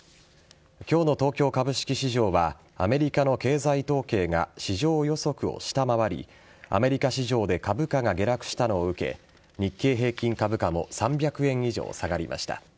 今日の東京株式市場はアメリカの経済統計が市場予測を下回りアメリカ市場で株価が下落したのを受け日経平均株価も３００円以上下がりました。